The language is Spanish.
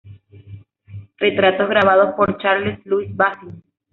Retratos grabados por Charles-Louis Bazin